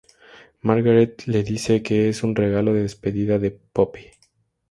Margaret le dice que es un regalo de despedida de Pope.